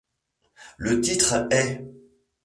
Le titre est '.